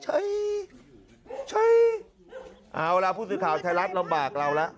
ใช้ใช้เอาล่ะผู้สื่อข่าวไทยรัฐลำบากเราแล้ว